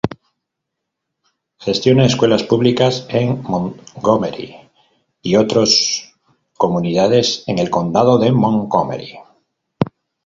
Gestiona escuelas públicas en Montgomery y otros comunidades en el Condado de Montgomery.